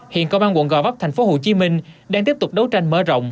hiện công an quận gò vấp thành phố hồ chí minh đang tiếp tục đấu tranh mơ rộng